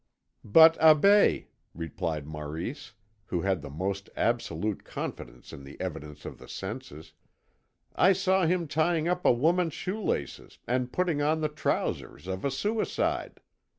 "But, Abbé," replied Maurice, who had the most absolute confidence in the evidence of the senses, "I saw him tying up a woman's shoe laces and putting on the trousers of a suicide."